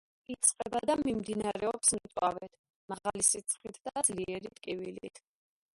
იწყება და მიმდინარეობს მწვავედ, მაღალი სიცხით და ძლიერი ტკივილით.